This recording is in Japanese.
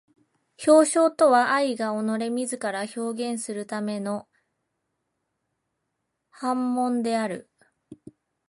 表象とは愛が己れ自ら表現するための煩悶である。